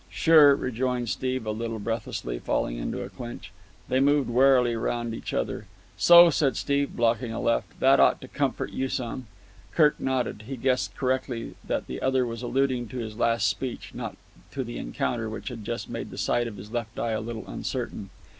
"Sure," rejoined Steve a little breathlessly, falling into a clinch. They moved warily round each other. "So," said Steve, blocking a left, "that ought to comfort you some." Kirk nodded. He guessed correctly that the other was alluding to his last speech, not to the counter which had just made the sight of his left eye a little uncertain.